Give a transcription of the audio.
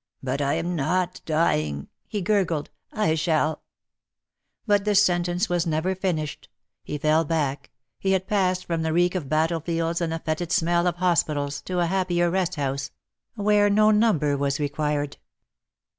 '* But I'm not dying," he gurgled —" I shall " But the sentence was never finished — he fell back — he had passed from the reek of battlefields and the fetid smell of hospitals to a happier resthouse — where no number was required.